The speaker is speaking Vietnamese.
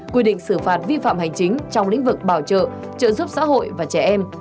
quy định xử phạt vi phạm hành chính trong lĩnh vực bảo trợ trợ giúp xã hội và trẻ em